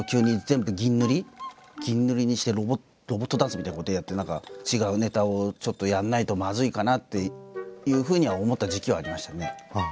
銀塗りにしてロボットダンスみたいなことやって何か違うネタをちょっとやんないとまずいかなっていうふうには思った時期はありましたね。